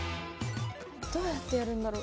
どうやってやるんだろ？